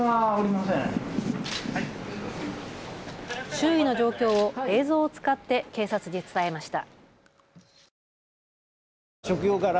周囲の状況を映像を使って警察に伝えました。